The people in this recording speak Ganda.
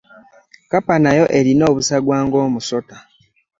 Kkapa nayo eria obusagwa ng'omusota.